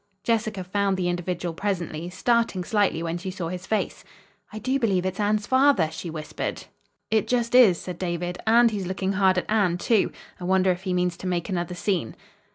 Jessica found the individual presently, starting slightly when she saw his face. "I do believe it's Anne's father," she whispered. "It just is," said David, "and he's looking hard at Anne, too. I wonder if he means to make another scene."